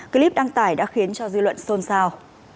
clip đăng tải đã khiến cho dư luận xôn xao